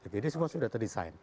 jadi semua sudah terdesain